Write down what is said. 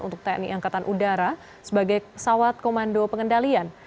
untuk tni angkatan udara sebagai pesawat komando pengendalian